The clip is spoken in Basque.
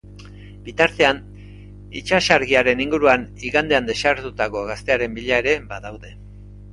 Bitartean, itsasargiaren inguruan igandean desagertutako gaztearen bila ere badaude.